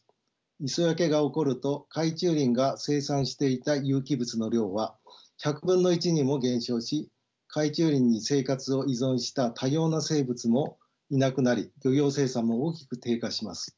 磯焼けが起こると海中林が生産していた有機物の量は１００分の１にも減少し海中林に生活を依存した多様な生物もいなくなり漁業生産も大きく低下します。